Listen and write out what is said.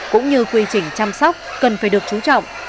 cũng như quy trình chăm sóc cần phải được trú trọng